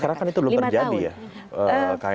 karena kan itu belum terjadi ya